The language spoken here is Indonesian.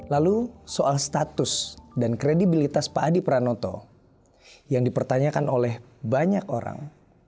lalu soal status dan kredibilitas pak adi pranoto yang dipertanyakan oleh banyak orang